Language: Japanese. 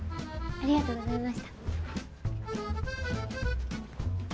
ありがとうございます。